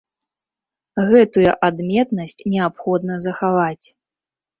Гэтую адметнасць неабходна захаваць.